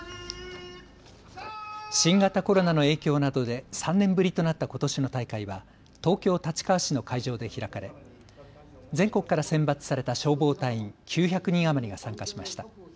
新型コロナの影響などで３年ぶりとなったことしの大会は東京立川市の会場で開かれ全国から選抜された消防隊員９００人余りが参加しました。